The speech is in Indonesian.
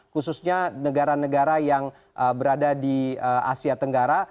khususnya negara negara yang berada di asia tenggara